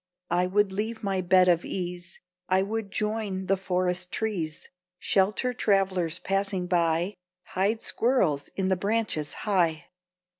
I would leave my bed of ease, I would join the forest trees; Shelter travelers passing by, Hide squirrels in the branches high.